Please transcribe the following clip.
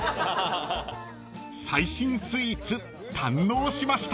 ［最新スイーツ堪能しました］